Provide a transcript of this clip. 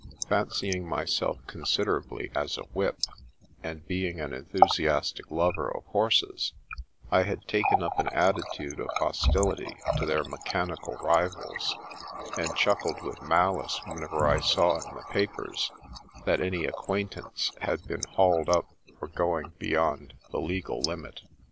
Fancying myself considerably as a whip, and being an enthusiastic lover of horses, I had taken up an attitude of hostility to their mechanical rivals, and chuckled with malice whenever I saw in the papers that any acquaintance had been hauled up for going beyond the " legal limit."